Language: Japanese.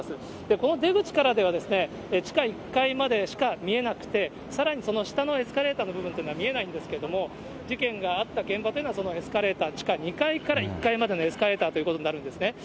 この出口からでは、地下１階までしか見えなくて、さらにその下のエスカレーターの部分というのは見えないんですけれども、事件があった現場というのは、そのエスカレーター地下２階から１階までのエスカレーターということになるんですね。